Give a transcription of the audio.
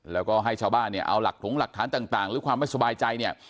แล้วก็ให้ชาวบ้านเนี่ยเอาหลักถงหลักฐานต่างหรือความไม่สบายใจเนี่ย